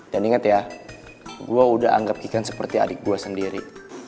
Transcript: dan inget ya gue udah anggap kikan seperti adik gue sendiri